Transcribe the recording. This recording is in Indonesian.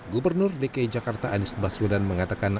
gubernur dki jakarta anies baswedan mengatakan